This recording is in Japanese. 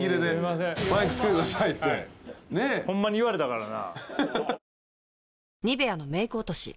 ホンマに言われたからな。